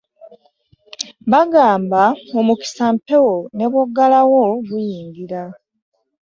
Bagamba omukisa mpewo ne bw'oggalawo guyingira.